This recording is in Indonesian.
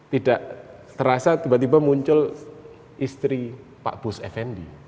tidak terasa tiba tiba muncul istri pak bus effendi